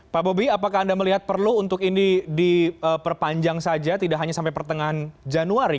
pak bobi apakah anda melihat perlu untuk ini diperpanjang saja tidak hanya sampai pertengahan januari